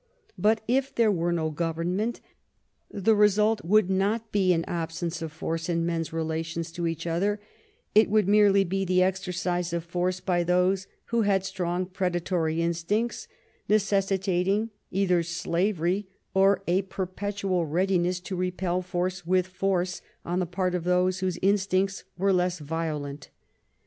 But if there were no government, the result would not be an absence of force in men's relations to each other; it would merely be the exercise of force by those who had strong predatory instincts, necessitating either slavery or a perpetual readiness to repel force with force on the part of those whose instincts were less violent.